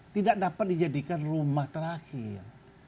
tidak dapat dijadikan rumah terakhir